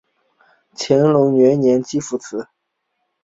乾隆元年的集福祠。